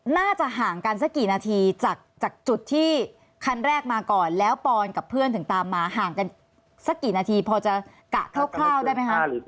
น่าจะห่างกันสักกี่นาทีจากจุดที่คันแรกมาก่อนแล้วปอนกับเพื่อนถึงตามมาห่างกันสักกี่นาทีพอจะกะคร่าวได้ไหมคะ